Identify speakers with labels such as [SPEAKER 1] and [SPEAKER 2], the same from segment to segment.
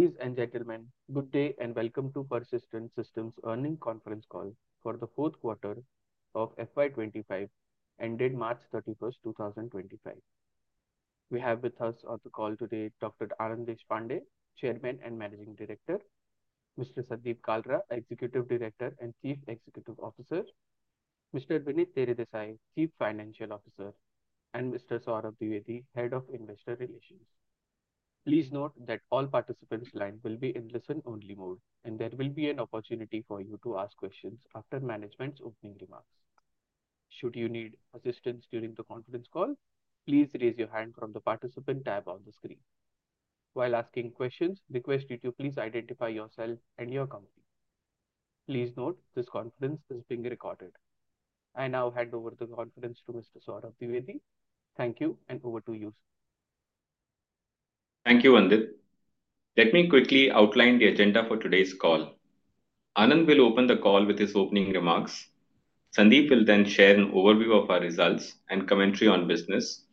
[SPEAKER 1] Ladies and gentlemen, good day and welcome to Persistent Systems Earnings Conference Call for the Fourth Quarter of FY25 ended March 31, 2025. We have with us on the call today Dr. Anand Deshpande, Chairman and Managing Director; Mr. Sandeep Kalra, Executive Director and Chief Executive Officer; Mr. Vinit Teredesai, Chief Financial Officer; and Mr. Saurabh Dwivedi, Head of Investor Relations. Please note that all participants' lines will be in listen-only mode, and there will be an opportunity for you to ask questions after management's opening remarks. Should you need assistance during the conference call, please raise your hand from the participant tab on the screen. While asking questions, we request you to please identify yourself and your company. Please note this conference is being recorded. I now hand over the conference to Mr. Saurabh Dwivedi. Thank you, and over to you.
[SPEAKER 2] Thank you, Anand. Let me quickly outline the agenda for today's call. Anand will open the call with his opening remarks. Sandeep will then share an overview of our results and commentary on business.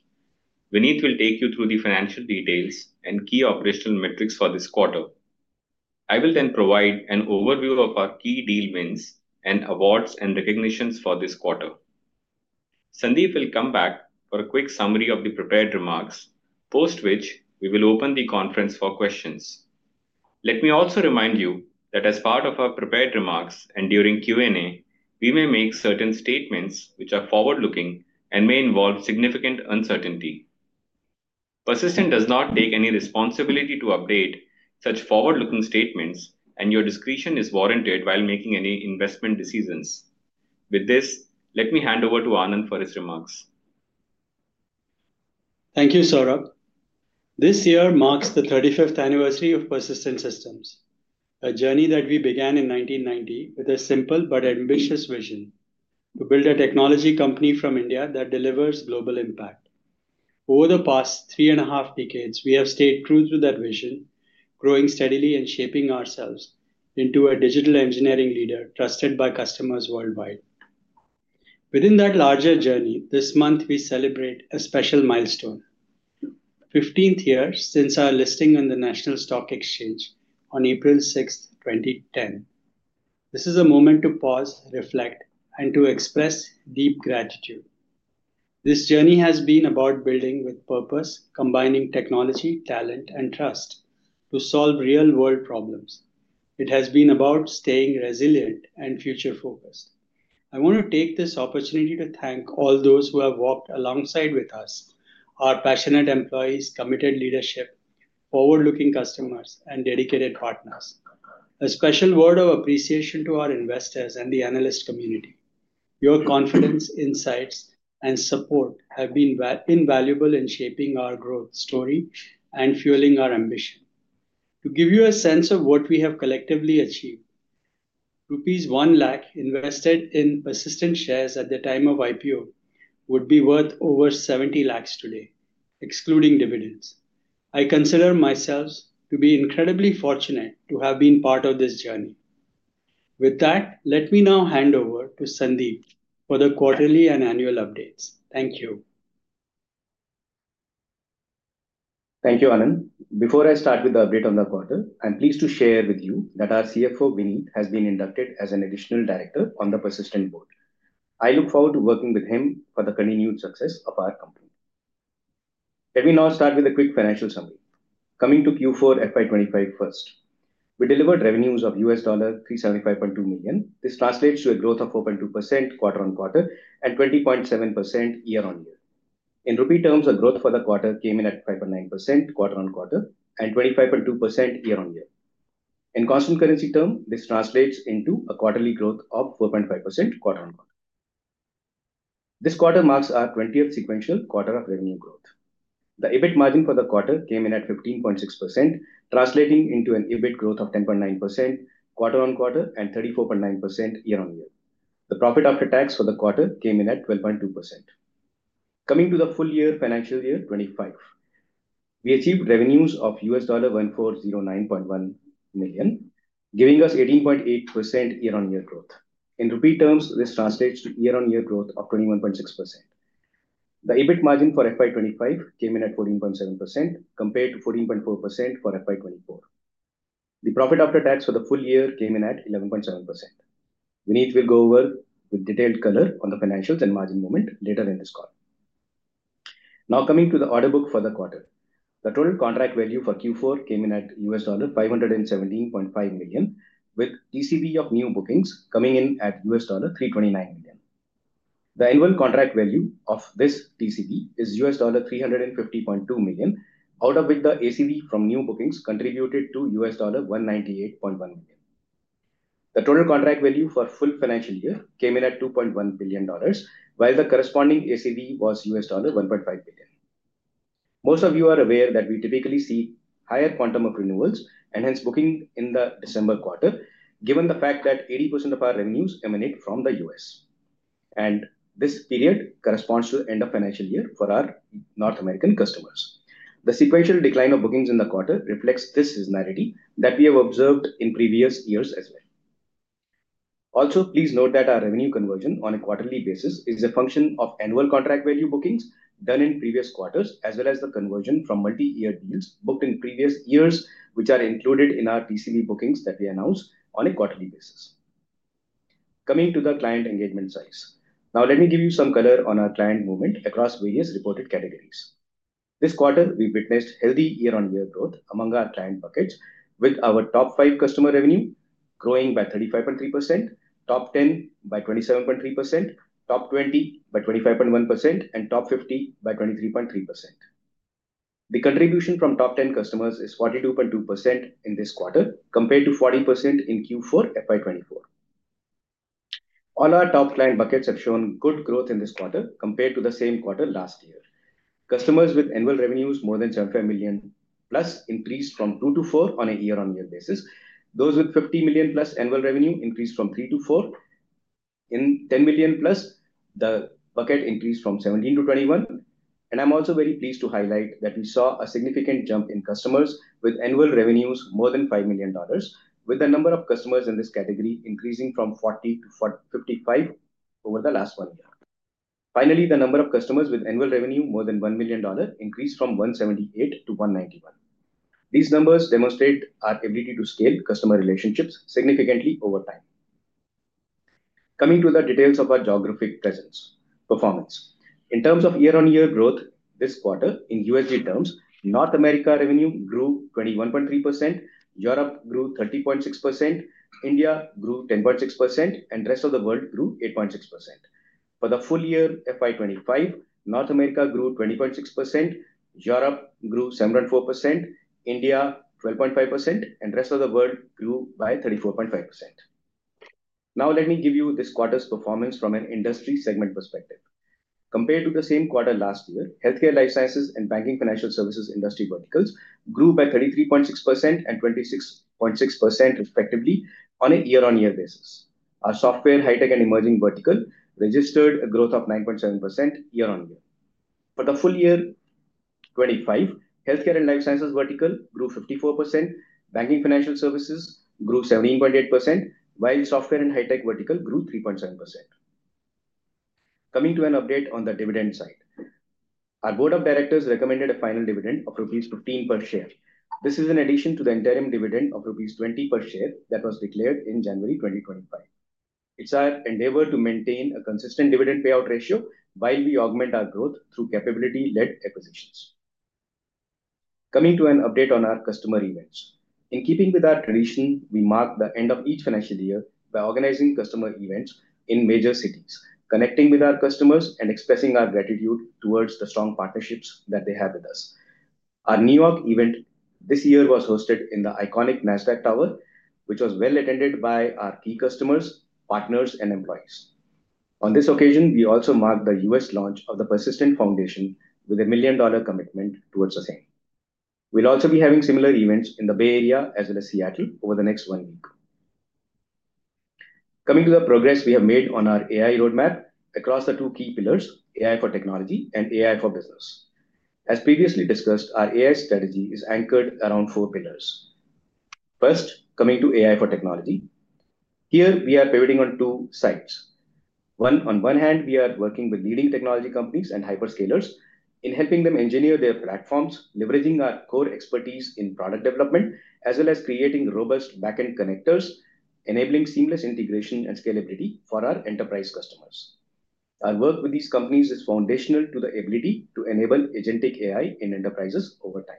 [SPEAKER 2] Vinit will take you through the financial details and key operational metrics for this quarter. I will then provide an overview of our key deal wins and awards and recognitions for this quarter. Sandeep will come back for a quick summary of the prepared remarks, post which we will open the conference for questions. Let me also remind you that as part of our prepared remarks and during Q&A, we may make certain statements which are forward-looking and may involve significant uncertainty. Persistent does not take any responsibility to update such forward-looking statements, and your discretion is warranted while making any investment decisions. With this, let me hand over to Anand for his remarks.
[SPEAKER 3] Thank you, Saurabh. This year marks the 35th anniversary of Persistent Systems, a journey that we began in 1990 with a simple but ambitious vision to build a technology company from India that delivers global impact. Over the past three and a half decades, we have stayed true to that vision, growing steadily and shaping ourselves into a digital engineering leader trusted by customers worldwide. Within that larger journey, this month we celebrate a special milestone: 15 years since our listing on the National Stock Exchange on April 6, 2010. This is a moment to pause, reflect, and to express deep gratitude. This journey has been about building with purpose, combining technology, talent, and trust to solve real-world problems. It has been about staying resilient and future-focused. I want to take this opportunity to thank all those who have walked alongside with us: our passionate employees, committed leadership, forward-looking customers, and dedicated partners. A special word of appreciation to our investors and the analyst community. Your confidence, insights, and support have been invaluable in shaping our growth story and fueling our ambition. To give you a sense of what we have collectively achieved, rupees 100,000 invested in Persistent shares at the time of IPO would be worth over 7,000,000 today, excluding dividends. I consider myself to be incredibly fortunate to have been part of this journey. With that, let me now hand over to Sandeep for the quarterly and annual updates. Thank you.
[SPEAKER 4] Thank you, Anand. Before I start with the update on the quarter, I'm pleased to share with you that our CFO, Vinit, has been inducted as an Additional Director on the Persistent board. I look forward to working with him for the continued success of our company. Let me now start with a quick financial summary. Coming to Q4 FY25 first, we delivered revenues of $375,200,000. This translates to a growth of 4.2% quarter-on-quarter and 20.7% year-on-year. In INR terms, our growth for the quarter came in at 5.9% quarter-on-quarter and 25.2% year-on-year. In constant currency term, this translates into a quarterly growth of 4.5% quarter-on-quarter. This quarter marks our 20th sequential quarter of revenue growth. The EBIT margin for the quarter came in at 15.6%, translating into an EBIT growth of 10.9% quarter-on-quarter and 34.9% year-on-year. The Profit After Tax for the quarter came in at 12.2%. Coming to the full-year financial year 2025, we achieved revenues of $1,409,100,000, giving us 18.8% year-on-year growth. In Rupee terms, this translates to a year-on-year growth of 21.6%. The EBIT margin for FY25 came in at 14.7%, compared to 14.4% for FY24. The Profit After Tax for the full year came in at 11.7%. Vinit will go over with detailed color on the financials and margin moment later in this call. Now coming to the order book for the quarter, the Total Contract Talue for Q4 came in at $517,500,000, with TCV of new bookings coming in at $329,000,000. The Annual Contract Value of this TCV is $350,200,000, out of which the ACV from new bookings contributed to $198,100,000. The Total Contract Value for full financial year came in at $2,100,000,000, while the corresponding ACV was $1,500,000. Most of you are aware that we typically see higher quantum of renewals and hence booking in the December quarter, given the fact that 80% of our revenues emanate from the US. This period corresponds to the end of financial year for our North American customers. The sequential decline of bookings in the quarter reflects this scenario that we have observed in previous years as well. Also, please note that our revenue conversion on a quarterly basis is a function of Annual Contract Value bookings done in previous quarters, as well as the conversion from multi-year deals booked in previous years, which are included in our TCV bookings that we announce on a quarterly basis. Coming to the client engagement size, now let me give you some color on our client movement across various reported categories. This quarter, we witnessed healthy year-on-year growth among our client buckets, with our top five customer revenue growing by 35.3%, top 10 by 27.3%, top 20 by 25.1%, and top 50 by 23.3%. The contribution from top 10 customers is 42.2% in this quarter, compared to 40% in Q4 FY2024. All our top client buckets have shown good growth in this quarter compared to the same quarter last year. Customers with annual revenues more than 75 million increased from 2 to 4 on a year-on-year basis. Those with 50 million annual revenue increased from 3 to 4. In 10 million, the bucket increased from 17 to 21. I am also very pleased to highlight that we saw a significant jump in customers with annual revenues more than $5,000,000, with the number of customers in this category increasing from 40 to 55 over the last one year. Finally, the number of customers with annual revenue more than $1,000,000 increased from 178 to 191. These numbers demonstrate our ability to scale customer relationships significantly over time. Coming to the details of our geographic presence performance, in terms of year-on-year growth this quarter, in USD terms, North America revenue grew 21.3%, Europe grew 30.6%, India grew 10.6%, and the rest of the world grew 8.6%. For the Full Year 2025, North America grew 20.6%, Europe grew 7.4%, India 12.5%, and the rest of the world grew by 34.5%. Now let me give you this quarter's performance from an industry segment perspective. Compared to the same quarter last year, healthcare life sciences and banking financial services industry verticals grew by 33.6% and 26.6% respectively on a year-on-year basis. Our software, high-tech, and emerging verticals registered a growth of 9.7% year-on-year. For the Full Year 2025, healthcare and life sciences vertical grew 54%, banking financial services grew 17.8%, while software and high-tech vertical grew 3.7%. Coming to an update on the dividend side, our Board of Directors recommended a final dividend of rupees 15 per share. This is in addition to the interim dividend of rupees 20 per share that was declared in January 2025. It's our endeavor to maintain a consistent dividend payout ratio while we augment our growth through capability-led acquisitions. Coming to an update on our customer events, in keeping with our tradition, we mark the end of each financial year by organizing customer events in major cities, connecting with our customers, and expressing our gratitude towards the strong partnerships that they have with us. Our New York event this year was hosted in the iconic NASDAQ Tower, which was well attended by our key customers, partners, and employees. On this occasion, we also marked the US launch of the Persistent Foundation with a $1,000,000 commitment towards the same. We'll also be having similar events in the Bay Area as well as Seattle over the next one week. Coming to the progress we have made on our AI roadmap across the two key pillars, AI for technology and AI for business. As previously discussed, our AI strategy is anchored around four pillars. First, coming to AI for technology, here we are pivoting on two sides. On one hand, we are working with leading technology companies and hyperscalers in helping them engineer their platforms, leveraging our core expertise in product development, as well as creating robust back-end connectors, enabling seamless integration and scalability for our enterprise customers. Our work with these companies is foundational to the ability to enable agentic AI in enterprises over time.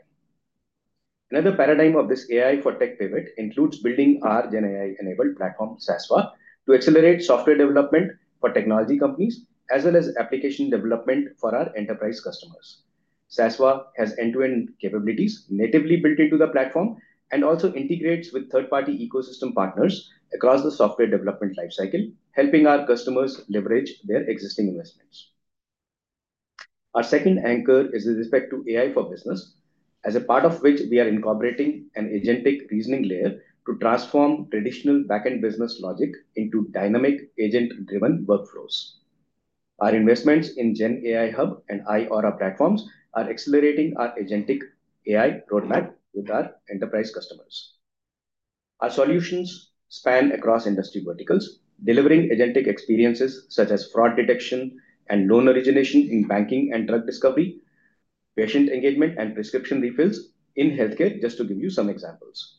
[SPEAKER 4] Another paradigm of this AI for tech pivot includes building our GenAI-enabled platform, Sasva, to accelerate software development for technology companies as well as application development for our enterprise customers. Sasva has end-to-end capabilities natively built into the platform and also integrates with third-party ecosystem partners across the software development lifecycle, helping our customers leverage their existing investments. Our second anchor is with respect to AI for business, as a part of which we are incorporating an agentic reasoning layer to transform traditional back-end business logic into dynamic agent-driven workflows. Our investments in GenAI Hub and iAURA platforms are accelerating our agentic AI roadmap with our enterprise customers. Our solutions span across industry verticals, delivering agentic experiences such as fraud detection and loan origination in banking and drug discovery, patient engagement, and prescription refills in healthcare, just to give you some examples.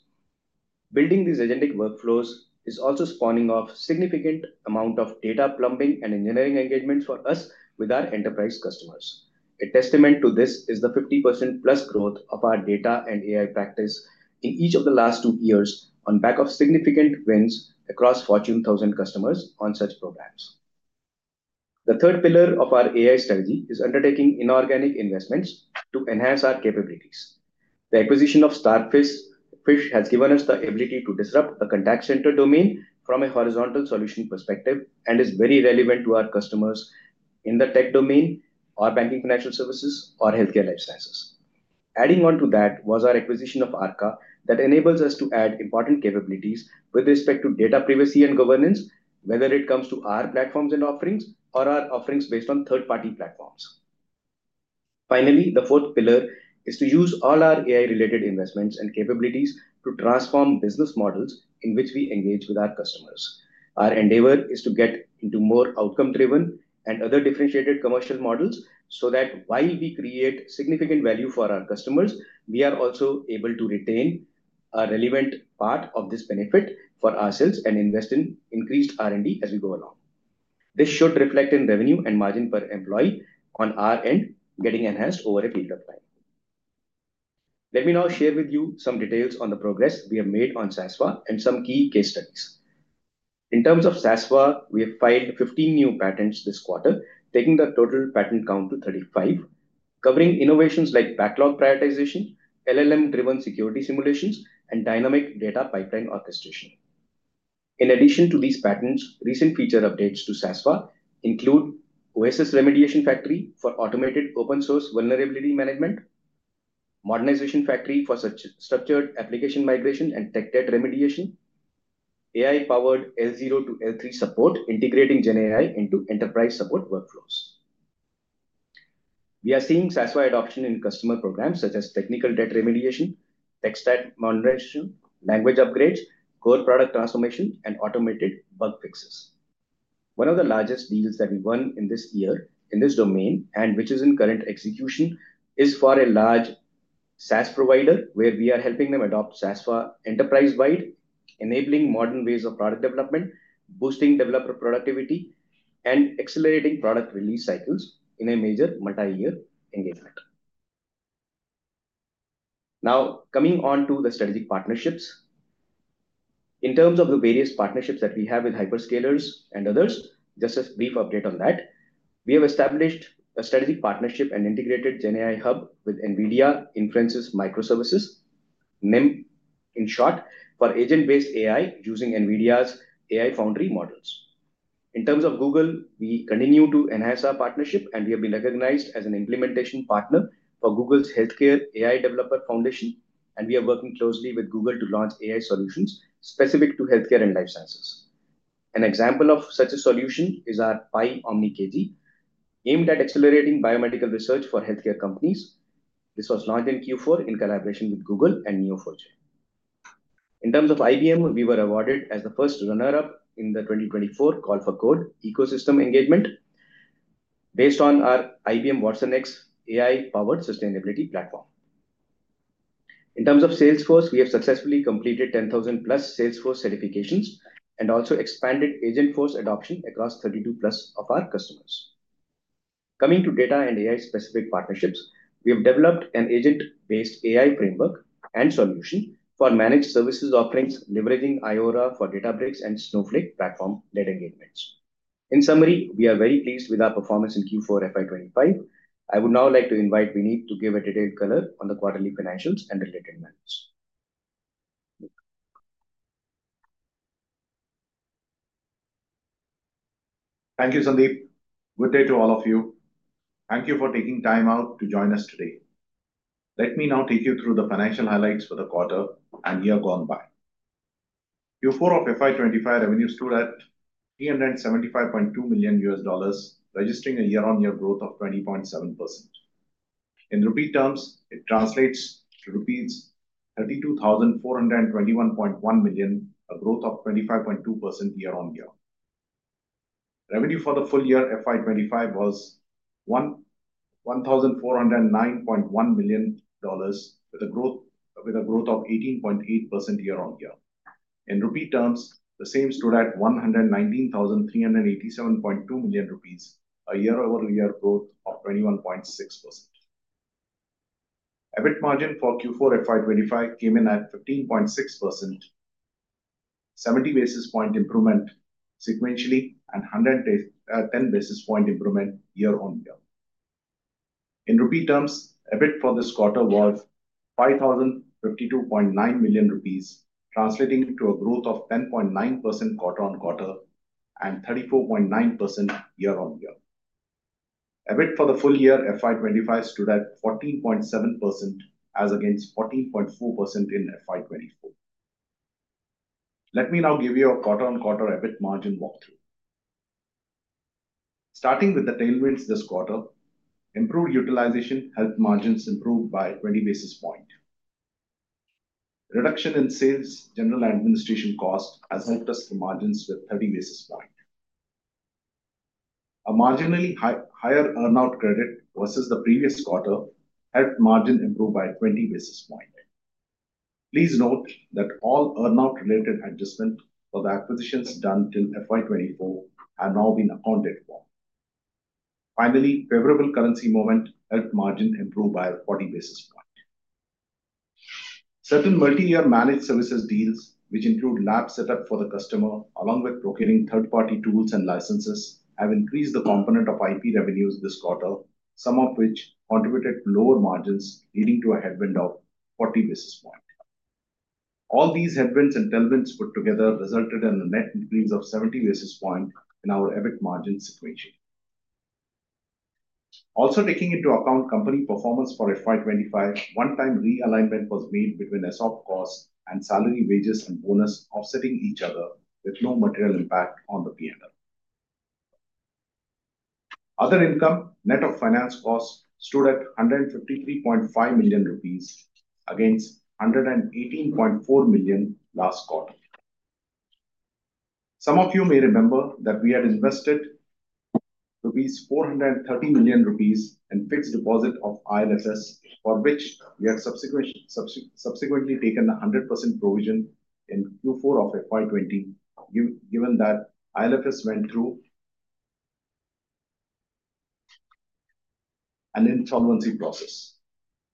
[SPEAKER 4] Building these agentic workflows is also spawning off a significant amount of data plumbing and engineering engagements for us with our enterprise customers. A testament to this is the 50%+ growth of our data and AI practice in each of the last two years on back of significant wins across Fortune 1000 customers on such programs. The third pillar of our AI strategy is undertaking inorganic investments to enhance our capabilities. The acquisition of Starfish has given us the ability to disrupt the contact center domain from a horizontal solution perspective and is very relevant to our customers in the tech domain, our banking financial services, or healthcare life sciences. Adding on to that was our acquisition of Arrka that enables us to add important capabilities with respect to data privacy and governance, whether it comes to our platforms and offerings or our offerings based on third-party platforms. Finally, the fourth pillar is to use all our AI-related investments and capabilities to transform business models in which we engage with our customers. Our endeavor is to get into more outcome-driven and other differentiated commercial models so that while we create significant value for our customers, we are also able to retain a relevant part of this benefit for ourselves and invest in increased R&D as we go along. This should reflect in revenue and margin per employee on our end, getting enhanced over a period of time. Let me now share with you some details on the progress we have made on Sasva and some key case studies. In terms of Sasva, we have filed 15 new patents this quarter, taking the total patent count to 35, covering innovations like backlog prioritization, LLM-driven security simulations, and dynamic data pipeline orchestration. In addition to these patents, recent feature updates to Sasva include OSS Remediation Factory for automated open-source vulnerability management, Modernization Factory for structured application migration and tech debt remediation, and AI-powered L0 to L3 support integrating GenAI into enterprise support workflows. We are seeing Sasva adoption in customer programs such as technical debt remediation, tech stack monitoring, language upgrades, core product transformation, and automated bug fixes. One of the largest deals that we won in this year in this domain, and which is in current execution, is for a large SaaS provider where we are helping them adopt Sasva enterprise-wide, enabling modern ways of product development, boosting developer productivity, and accelerating product release cycles in a major multi-year engagement. Now coming on to the strategic partnerships, in terms of the various partnerships that we have with hyperscalers and others, just a brief update on that, we have established a strategic partnership and integrated GenAI Hub with NVIDIA Inference Microservices, NIM in short, for agent-based AI using NVIDIA's AI Foundry models. In terms of Google, we continue to enhance our partnership, and we have been recognized as an implementation partner for Google's Healthcare AI Developer Foundation, and we are working closely with Google to launch AI solutions specific to Healthcare and Life Sciences. An example of such a solution is our Pi-OmniKG, aimed at accelerating biomedical research for healthcare companies. This was launched in Q4 in collaboration with Google and Neo4j. In terms of IBM, we were awarded as the first runner-up in the 2024 Call for Code Ecosystem Engagement based on our IBM watsonx AI-powered sustainability platform. In terms of Salesforce, we have successfully completed 10,000-plus Salesforce certifications and also expanded Agentforce adoption across 32-plus of our customers. Coming to data and AI-specific partnerships, we have developed an agent-based AI framework and solution for managed services offerings, leveraging iAURA for Databricks and Snowflake platform-led engagements. In summary, we are very pleased with our performance in Q4 FY25. I would now like to invite Vinit to give a detailed color on the quarterly financials and related matters.
[SPEAKER 5] Thank you, Sandeep. Good day to all of you. Thank you for taking time out to join us today. Let me now take you through the financial highlights for the quarter and year gone by. Q4 of FY25, revenues stood at $375,200,000 registering a year-on-year growth of 20.7%. In rupee terms, it translates to rupees 32,421.1 million, a growth of 25.2% year-on-year. Revenue for the Full Year 25 was $1,409,100,000 with a growth of 18.8% year-on-year. In rupee terms, the same stood at 119,387.2 million rupees, a year-over-year growth of 21.6%. EBIT margin for Q4 FY25 came in at 15.6%, a 70 basis point improvement sequentially, and a 110 basis point improvement year-on-year. In rupee terms, EBIT for this quarter was 5,052.9 million rupees, translating to a growth of 10.9% quarter-on-quarter and 34.9% year-on-year. EBIT for the Full Year 25 stood at 14.7%, as against 14.4% in FY24. Let me now give you a quarter-on-quarter EBIT margin walkthrough. Starting with the tailwinds this quarter, improved utilization helped margins improve by 20 basis points. Reduction in Sales, General, Administrative cost has helped us to margins with 30 basis points. A marginally higher earn-out credit versus the previous quarter helped margin improve by 20 basis points. Please note that all earn-out related adjustment for the acquisitions done till FY2024 have now been accounted for. Finally, favorable currency movement helped margin improve by 40 basis points. Certain multi-year managed services deals, which include lab setup for the customer along with procuring third-party tools and licenses, have increased the component of IP revenues this quarter, some of which contributed to lower margins, leading to a headwind of 40 basis points. All these headwinds and tailwinds put together resulted in a net increase of 70 basis points in our EBIT margin sequential. Also taking into account company performance for FY25, one-time realignment was made between ESOP costs and salary wages and bonus offsetting each other with no material impact on the P&L. Other income, net of finance cost, stood at 153.5 million rupees against 118.4 million last quarter. Some of you may remember that we had invested 430 million rupees in fixed deposit of IL&FS, for which we had subsequently taken a 100% provision in Q4 of FY20, given that IL&FS went through an insolvency process.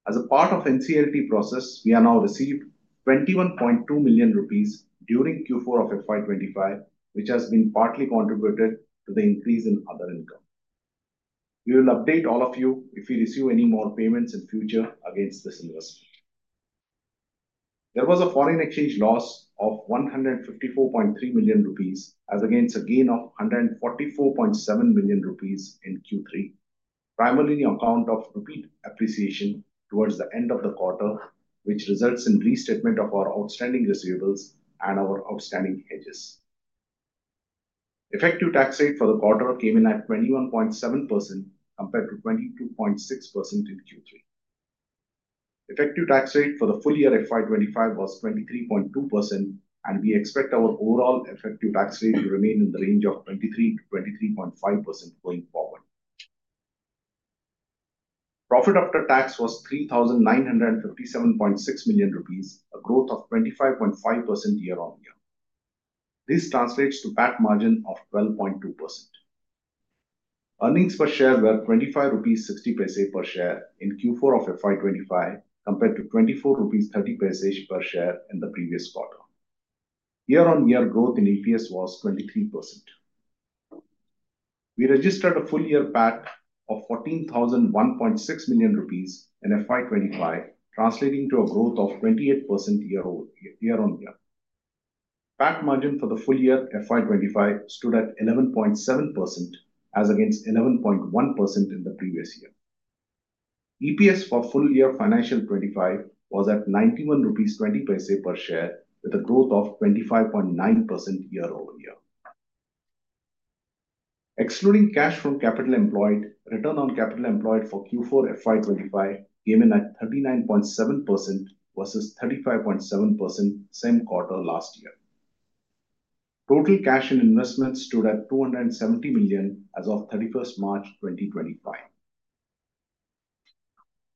[SPEAKER 5] As a part of the NCLT process, we have now received 21.2 million rupees during Q4 of FY25, which has been partly contributed to the increase in other income. We will update all of you if we receive any more payments in future against this investment.
[SPEAKER 2] There was a foreign exchange loss of 154.3 million rupees as against a gain of 144.7 million rupees in Q3, primarily in the account of rupee appreciation towards the end of the quarter, which results in restatement of our outstanding receivables and our outstanding hedges. Effective tax rate for the quarter came in at 21.7% compared to 22.6% in Q3. Effective tax rate for the Full Year 25 was 23.2%, and we expect our overall effective tax rate to remain in the range of 23%-23.5% going forward. Profit after tax was 3,957.6 million rupees, a growth of 25.5% year-on-year. This translates to PAT margin of 12.2%. Earnings Per Share were 25.60 rupees per share in Q4 of FY25 compared to 24.30 rupees per share in the previous quarter. Year-on-year growth in EPS was 23%. We registered a full-year PAT of 14,001.6 million rupees in FY25, translating to a growth of 28% year-on-year. PAT margin for the Full Year FY25 stood at 11.7% as against 11.1% in the previous year. EPS for full year financial 2025 was at 91.20 rupees per share with a growth of 25.9% year-on-year. Excluding cash from capital employed, Return on Capital Employed for Q4 FY25 came in at 39.7% versus 35.7% same quarter last year. Total cash and investment stood at $270 million as of 31st March 2025.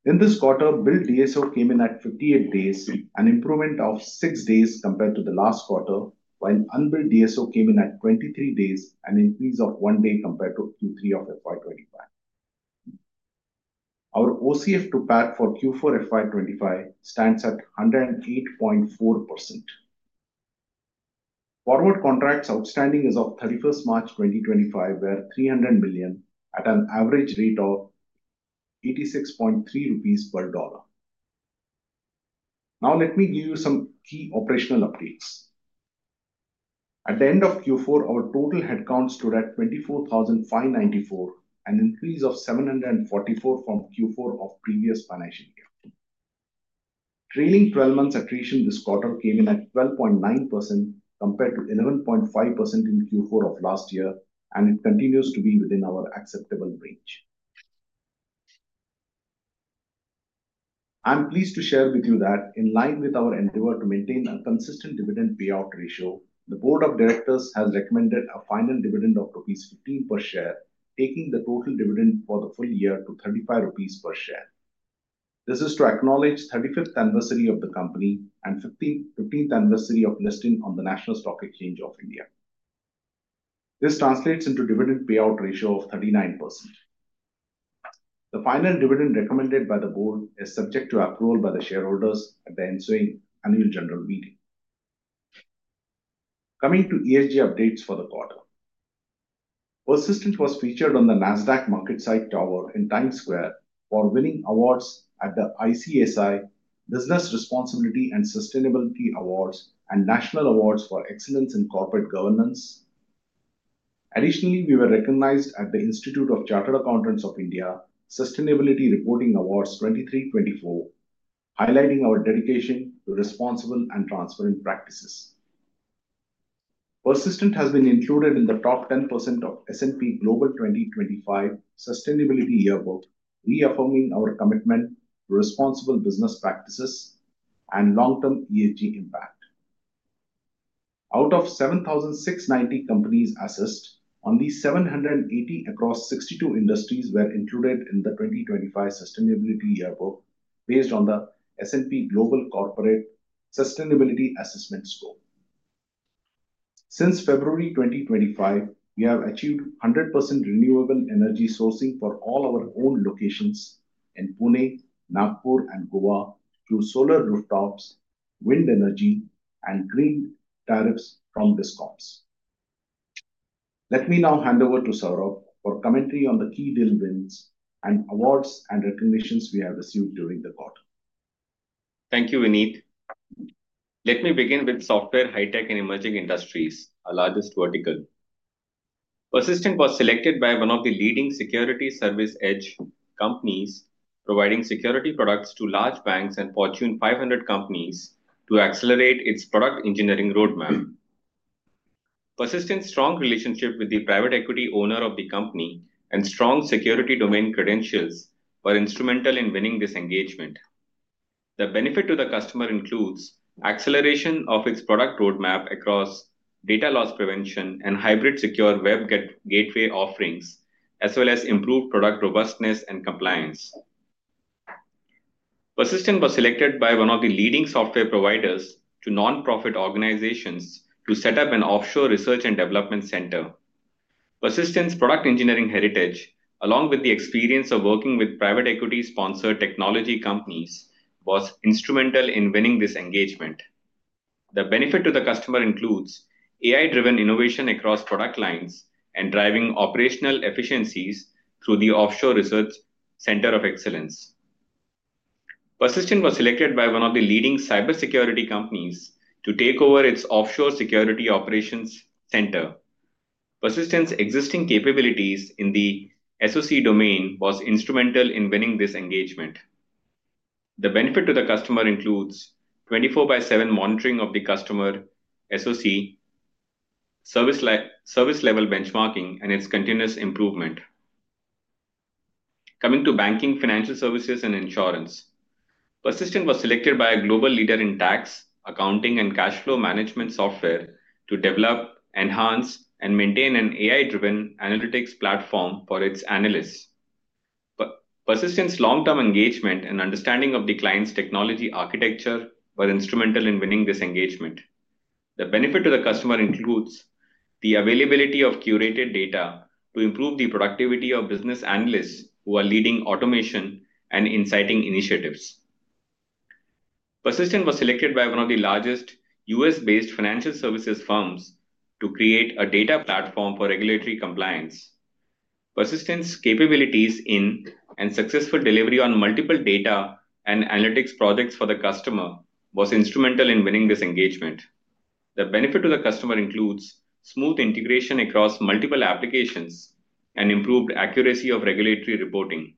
[SPEAKER 2] In this quarter, billed DSO came in at 58 days, an improvement of 6 days compared to the last quarter, while unbilled DSO came in at 23 days, an increase of 1 day compared to Q3 of FY25. Our OCF to PAT for Q4 FY25 stands at 108.4%. Forward contracts outstanding as of 31st March 2025 were $300 million at an average rate of 86.3 rupees per dollar. Now let me give you some key operational updates. At the end of Q4, our total headcount stood at 24,594, an increase of 744 from Q4 of previous financial year. Trailing 12 months' attrition this quarter came in at 12.9% compared to 11.5% in Q4 of last year, and it continues to be within our acceptable range. I'm pleased to share with you that in line with our endeavor to maintain a consistent dividend payout ratio, the Board of Directors has recommended a final dividend of ₹15 per share, taking the total dividend for the full year to ₹35 per share. This is to acknowledge the 35th anniversary of the company and the 15th anniversary of listing on the National Stock Exchange of India. This translates into a dividend payout ratio of 39%. The final dividend recommended by the board is subject to approval by the shareholders at the ensuing Annual General Meeting. Coming to ESG updates for the quarter, Persistent was featured on the NASDAQ Marketsite Tower in Times Square for winning awards at the ICSI Business Responsibility and Sustainability Awards and National Awards for Excellence in Corporate Governance. Additionally, we were recognized at the Institute of Chartered Accountants of India Sustainability Reporting Awards 2023-2024, highlighting our dedication to responsible and transparent practices. Persistent has been included in the top 10% of S&P Global 2025 Sustainability Yearbook, reaffirming our commitment to responsible business practices and long-term ESG impact. Out of 7,690 companies assessed, only 780 across 62 industries were included in the 2025 Sustainability Yearbook based on the S&P Global Corporate Sustainability Assessment Score. Since February 2025, we have achieved 100% renewable energy sourcing for all our own locations in Pune, Nagpur, and Goa through solar rooftops, wind energy, and green tariffs from DISCOMs. Let me now hand over to Saurabh for commentary on the key tailwinds and awards and recognitions we have received during the quarter. Thank you, Vinit. Let me begin with software, high-tech, and emerging industries, our largest vertical. Persistent was selected by one of the leading Security Service Edge companies, providing security products to large banks and Fortune 500 companies to accelerate its product engineering roadmap. Persistent's strong relationship with the private equity owner of the company and strong security domain credentials were instrumental in winning this engagement. The benefit to the customer includes acceleration of its product roadmap across Data Loss Prevention and hybrid Secure Web Gateway offerings, as well as improved product robustness and compliance. Persistent was selected by one of the leading software providers to nonprofit organizations to set up an offshore research and development center. Persistent's product engineering heritage, along with the experience of working with private equity-sponsored technology companies, was instrumental in winning this engagement. The benefit to the customer includes AI-driven innovation across product lines and driving operational efficiencies through the offshore research center of excellence. Persistent was selected by one of the leading cybersecurity companies to take over its Offshore Security Operations Center. Persistent's existing capabilities in the SOC domain were instrumental in winning this engagement. The benefit to the customer includes 24/7 monitoring of the customer SOC, service-level benchmarking, and its continuous improvement. Coming to banking, financial services, and insurance, Persistent was selected by a global leader in tax, accounting, and cash flow management software to develop, enhance, and maintain an AI-driven analytics platform for its analysts. Persistent's long-term engagement and understanding of the client's technology architecture were instrumental in winning this engagement. The benefit to the customer includes the availability of curated data to improve the productivity of business analysts who are leading automation and inciting initiatives. Persistent was selected by one of the largest US-based financial services firms to create a data platform for regulatory compliance. Persistent's capabilities in and successful delivery on multiple data and analytics projects for the customer were instrumental in winning this engagement. The benefit to the customer includes smooth integration across multiple applications and improved accuracy of regulatory reporting.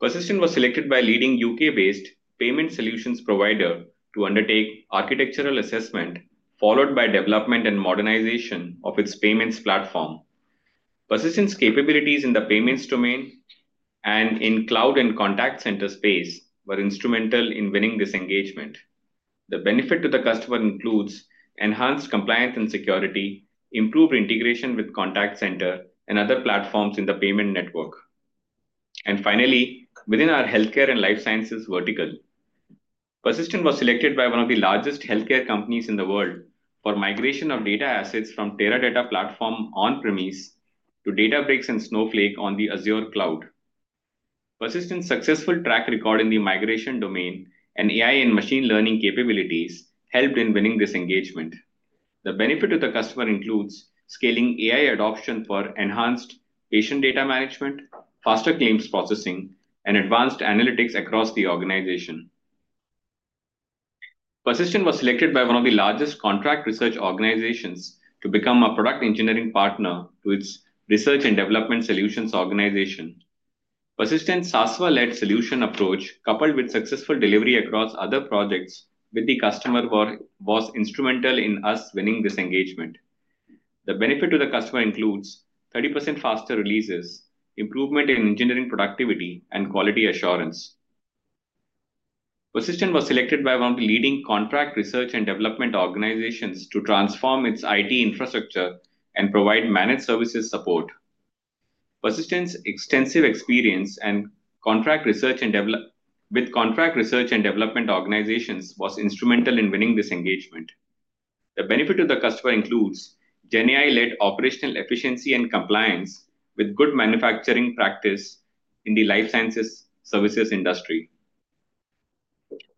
[SPEAKER 2] Persistent was selected by a leading U.K.-based payment solutions provider to undertake architectural assessment, followed by development and modernization of its payments platform. Persistent's capabilities in the payments domain and in cloud and contact center space were instrumental in winning this engagement. The benefit to the customer includes enhanced compliance and security, improved integration with contact center and other platforms in the payment network. Finally, within our healthcare and life sciences vertical, Persistent was selected by one of the largest healthcare companies in the world for migration of data assets from Teradata platform on-premise to Databricks and Snowflake on the Azure Cloud. Persistent's successful track record in the migration domain and AI and machine learning capabilities helped in winning this engagement. The benefit to the customer includes scaling AI adoption for enhanced patient data management, faster claims processing, and advanced analytics across the organization. Persistent was selected by one of the largest contract research organizations to become a product engineering partner to its research and development solutions organization. Persistent's SaaS-led solution approach, coupled with successful delivery across other projects with the customer, was instrumental in us winning this engagement. The benefit to the customer includes 30% faster releases, improvement in engineering productivity, and quality assurance. Persistent was selected by one of the leading contract research and development organizations to transform its IT infrastructure and provide managed services support. Persistent's extensive experience with contract research and development organizations was instrumental in winning this engagement. The benefit to the customer includes GenAI-led operational efficiency and compliance with Good Manufacturing Practice in the life sciences services industry.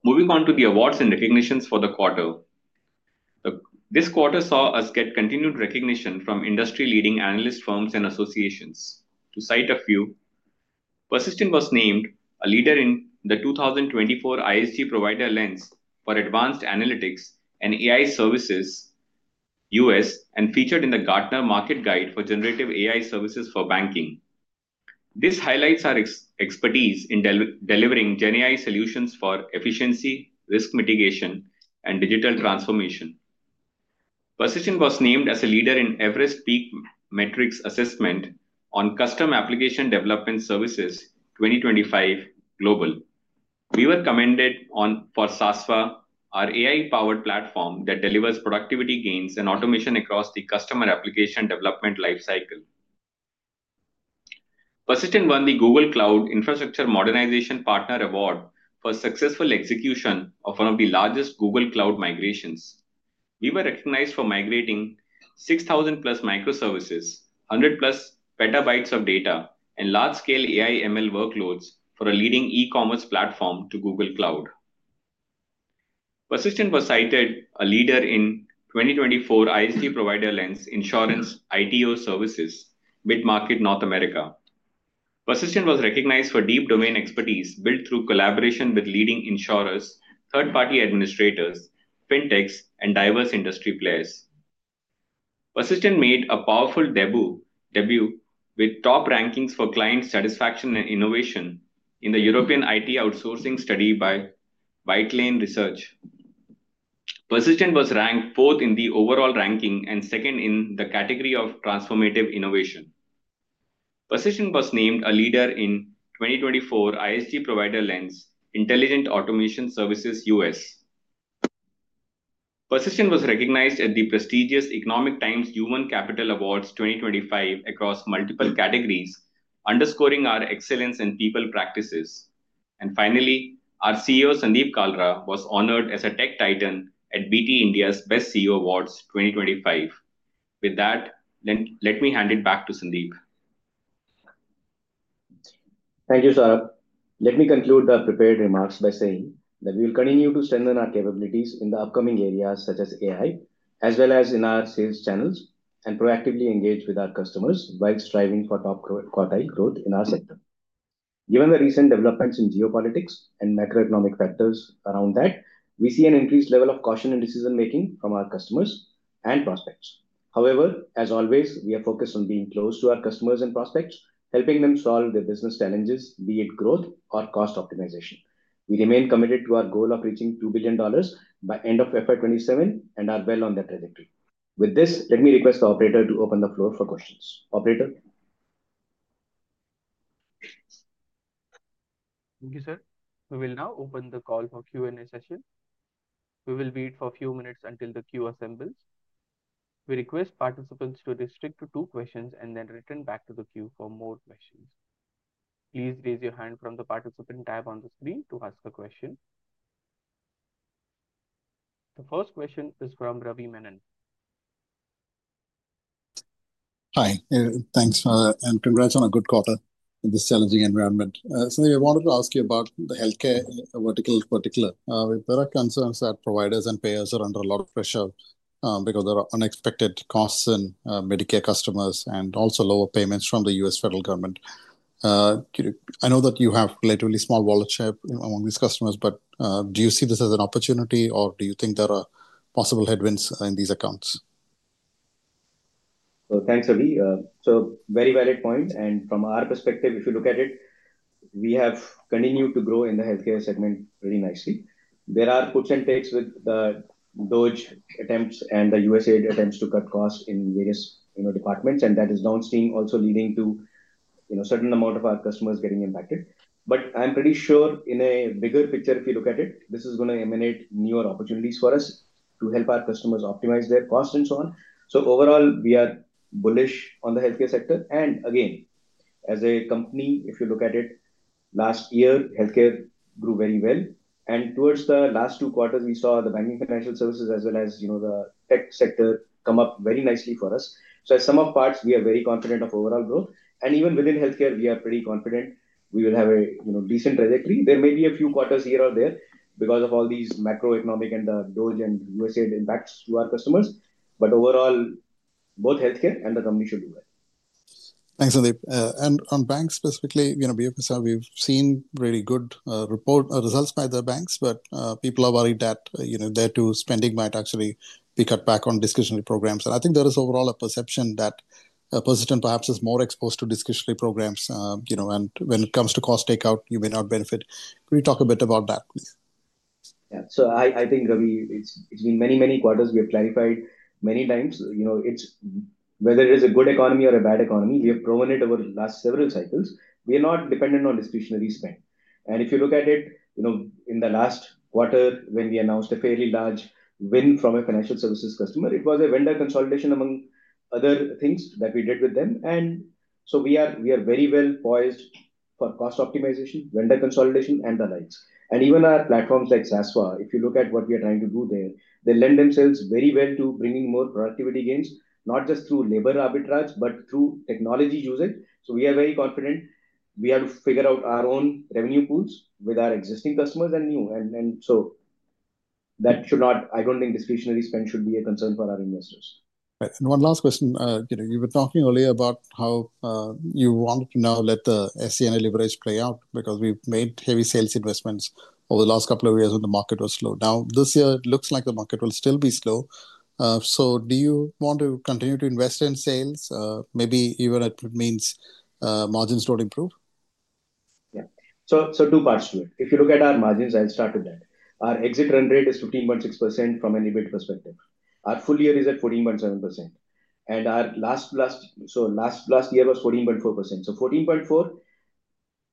[SPEAKER 2] Moving on to the awards and recognitions for the quarter, this quarter saw us get continued recognition from industry-leading analyst firms and associations. To cite a few, Persistent was named a leader in the 2024 ISG Provider Lens for Advanced Analytics and AI Services US and featured in the Gartner Market Guide for Generative AI Services for Banking. This highlights our expertise in delivering GenAI solutions for efficiency, risk mitigation, and digital transformation. Persistent was named as a leader in Everest PEAK Matrix Assessment on Custom Application Development Services 2025 Global. We were commended for Sasva, our AI-powered platform that delivers productivity gains and automation across the customer application development lifecycle. Persistent won the Google Cloud Infrastructure Modernization Partner Award for successful execution of one of the largest Google Cloud migrations. We were recognized for migrating 6,000 plus microservices, 100 plus petabytes of data, and large-scale AI/ML workloads for a leading e-commerce platform to Google Cloud. Persistent was cited a leader in 2024 ISG Provider Lens Insurance ITO Services Mid-Market North America. Persistent was recognized for deep domain expertise built through collaboration with leading insurers, third-party administrators, fintechs, and diverse industry players. Persistent made a powerful debut with top rankings for client satisfaction and innovation in the European IT Outsourcing Study by Whitelane Research. Persistent was ranked fourth in the overall ranking and second in the category of transformative innovation. Persistent was named a leader in 2024 ISG Provider Lens Intelligent Automation Services US. Persistent was recognized at the prestigious Economic Times Human Capital Awards 2025 across multiple categories, underscoring our excellence in people practices. Finally, our CEO, Sandeep Kalra, was honored as a Tech Titan at BT India's Best CEO Awards 2025. With that, let me hand it back to Sandeep.
[SPEAKER 4] Thank you, Saurabh. Let me conclude the prepared remarks by saying that we will continue to strengthen our capabilities in the upcoming areas such as AI, as well as in our sales channels, and proactively engage with our customers while striving for top quartile growth in our sector. Given the recent developments in geopolitics and macroeconomic factors around that, we see an increased level of caution in decision-making from our customers and prospects. However, as always, we are focused on being close to our customers and prospects, helping them solve their business challenges, be it growth or cost optimization. We remain committed to our goal of reaching $2 billion by the end of FY27 and are well on that trajectory. With this, let me request the operator to open the floor for questions. Operator.
[SPEAKER 1] Thank you, sir. We will now open the call for Q&A session. We will wait for a few minutes until the queue assembles. We request participants to restrict to two questions and then return back to the queue for more questions. Please raise your hand from the participant tab on the screen to ask a question. The first question is from Ravi Menon.
[SPEAKER 6] Hi. Thanks and congrats on a good quarter in this challenging environment. I wanted to ask you about the healthcare vertical in particular. There are concerns that providers and payers are under a lot of pressure because there are unexpected costs in Medicare customers and also lower payments from the US federal government. I know that you have a relatively small wallet share among these customers, but do you see this as an opportunity, or do you think there are possible headwinds in these accounts?
[SPEAKER 4] Thanks, Ravi. Very valid point. From our perspective, if you look at it, we have continued to grow in the healthcare segment really nicely. There are puts and takes with the DOGE attempts and the USAID attempts to cut costs in various departments, and that is downstream also leading to a certain amount of our customers getting impacted. I'm pretty sure in a bigger picture, if you look at it, this is going to emanate newer opportunities for us to help our customers optimize their costs and so on. Overall, we are bullish on the healthcare sector. Again, as a company, if you look at it, last year, healthcare grew very well. Towards the last two quarters, we saw the banking financial services as well as the tech sector come up very nicely for us. As sum of parts, we are very confident of overall growth. Even within healthcare, we are pretty confident we will have a decent trajectory. There may be a few quarters here or there because of all these macroeconomic and the DOGE and USAID impacts to our customers. Overall, both healthcare and the company should do well.
[SPEAKER 6] Thanks, Sandeep. On banks specifically, BFSI, we've seen really good report results by the banks, but people are worried that their due spending might actually be cut back on discretionary programs. I think there is overall a perception that Persistent perhaps is more exposed to discretionary programs. When it comes to cost takeout, you may not benefit. Can you talk a bit about that, please?
[SPEAKER 4] Yeah. I think, Ravi, it's been many, many quarters. We have clarified many times whether it is a good economy or a bad economy. We have proven it over the last several cycles. We are not dependent on discretionary spend. If you look at it in the last quarter, when we announced a fairly large win from a financial services customer, it was a vendor consolidation among other things that we did with them. We are very well poised for cost optimization, vendor consolidation, and the likes. Even our platforms like Sasva, if you look at what we are trying to do there, they lend themselves very well to bringing more productivity gains, not just through labor arbitrage, but through technology usage. We are very confident we have to figure out our own revenue pools with our existing customers and new. That should not, I do not think discretionary spend should be a concern for our investors.
[SPEAKER 6] One last question. You were talking earlier about how you wanted to now let the SCNA leverage play out because we have made heavy sales investments over the last couple of years when the market was slow. This year, it looks like the market will still be slow. Do you want to continue to invest in sales, maybe even if it means margins don't improve?
[SPEAKER 4] Yeah. Two parts to it. If you look at our margins, I'll start with that. Our exit run rate is 15.6% from an EBIT perspective. Our full year is at 14.7%. Our last year was 14.4%. So, 14.4%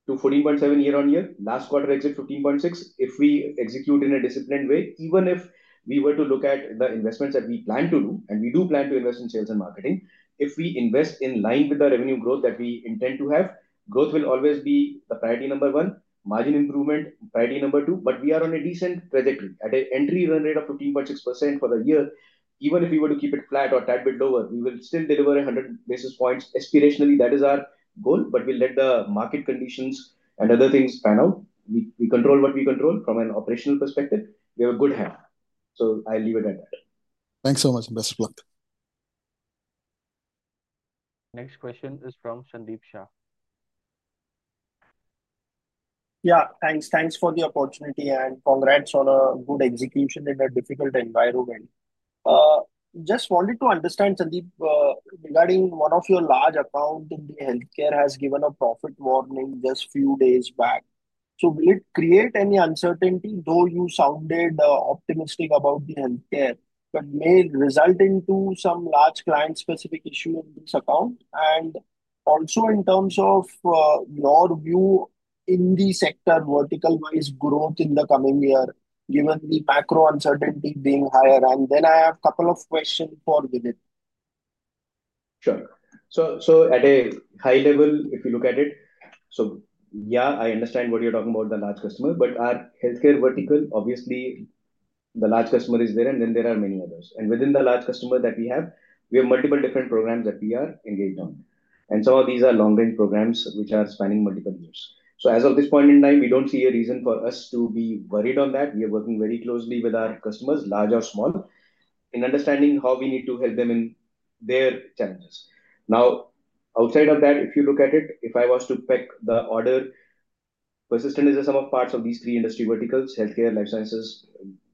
[SPEAKER 4] to 14.7% year-on-year. Last quarter exit 15.6%. If we execute in a disciplined way, even if we were to look at the investments that we plan to do, and we do plan to invest in sales and marketing, if we invest in line with the revenue growth that we intend to have, growth will always be the priority number one. Margin improvement, priority number two. We are on a decent trajectory. At an entry run rate of 15.6% for the year, even if we were to keep it flat or a tad bit lower, we will still deliver 100 basis points. Aspirationally, that is our goal. We will let the market conditions and other things pan out. We control what we control from an operational perspective. We have a good hand. I will leave it at that.
[SPEAKER 6] Thanks so much and best of luck.
[SPEAKER 1] Next question is from Sandeep Shah.
[SPEAKER 7] Yeah, thanks. Thanks for the opportunity and congrats on a good execution in a difficult environment. Just wanted to understand, Sandeep, regarding one of your large accounts in the healthcare has given a profit warning just a few days back. Will it create any uncertainty, though you sounded optimistic about the healthcare, but may result into some large client-specific issue in this account? Also, in terms of your view in the sector vertical-wise growth in the coming year, given the macro uncertainty being higher? I have a couple of questions for Vinit.
[SPEAKER 4] Sure. So at a high level, if you look at it, yeah, I understand what you're talking about, the large customer. Our healthcare vertical, obviously, the large customer is there, and then there are many others. Within the large customer that we have, we have multiple different programs that we are engaged on. Some of these are long-range programs which are spanning multiple years. As of this point in time, we do not see a reason for us to be worried on that. We are working very closely with our customers, large or small, in understanding how we need to help them in their challenges. Now, outside of that, if you look at it, if I was to pick the order, Persistent is a sum of parts of these three industry verticals: healthcare, life sciences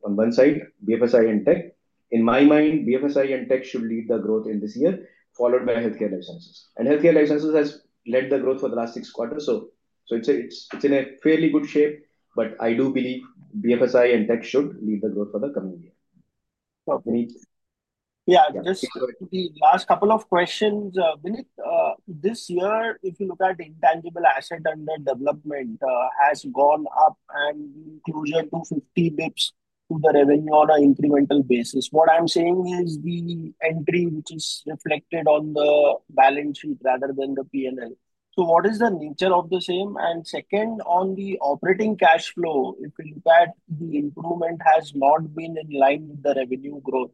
[SPEAKER 4] on one side, BFSI and tech. In my mind, BFSI and tech should lead the growth in this year, followed by Healthcare Life Sciences. Healthcare Life Sciences has led the growth for the last six quarters. It is in a fairly good shape. I do believe BFSI and tech should lead the growth for the coming year.
[SPEAKER 7] Yeah, just the last couple of questions. This year, if you look at intangible asset under development, it has gone up and closer to 50 basis points to the revenue on an incremental basis. What I'm saying is the entry, which is reflected on the balance sheet rather than the P&L. What is the nature of the same? Second, on the operating cash flow, if you look at the improvement, it has not been in line with the revenue growth.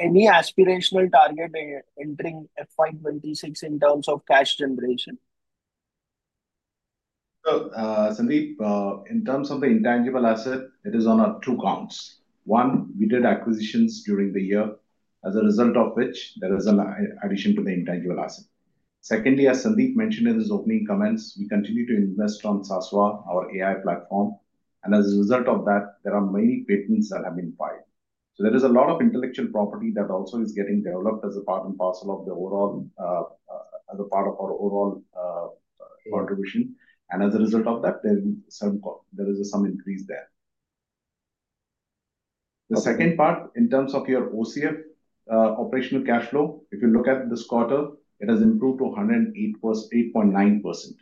[SPEAKER 7] Any aspirational target entering FY2026 in terms of cash generation?
[SPEAKER 5] Sandeep, in terms of the intangible asset, it is on our two counts. One, we did acquisitions during the year, as a result of which there is an addition to the intangible asset. Secondly, as Sandeep mentioned in his opening comments, we continue to invest on Sasva, our AI platform. As a result of that, there are many patents that have been filed. There is a lot of intellectual property that also is getting developed as a part and parcel of the overall, as a part of our overall contribution. As a result of that, there is some increase there. The second part, in terms of your OCF, operational cash flow, if you look at this quarter, it has improved to 108.9%.